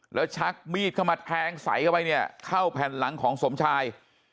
แล้วชักมีดเข้ามาแทงใส่เข้าไปเนี่ยเข้าแผ่นหลังของสมชาย